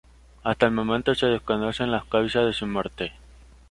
Hasta el momento se desconocen las causas de su muerte.